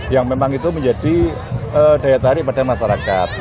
yang memang itu menjadi daya tarik pada masyarakat